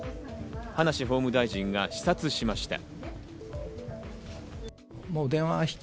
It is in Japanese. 葉梨法務大臣が視察しました。